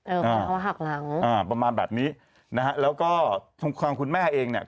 เออเพราะว่าหักหลังอ่าประมาณแบบนี้นะฮะแล้วก็ทรงความคุณแม่เองเนี้ย